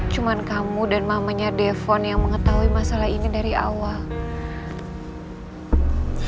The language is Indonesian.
cuma kamu dan mamanya defon yang mengetahui masalah ini dari awal